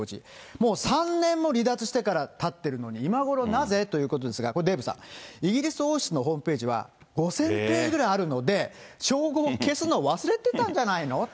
もう３年も離脱してからたってるのに、今頃なぜということですが、これデーブさん、イギリス王室のホームページは、５０００ページぐらいあるので、称号を消すの忘れてたんじゃないのって。